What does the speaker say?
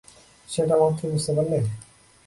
সেটা মাত্র বুঝতে পারলে?